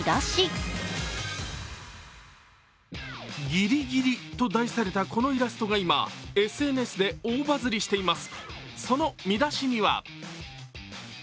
「ギリギリ」と題されたこのイラストが今ＳＮＳで大バズりしています。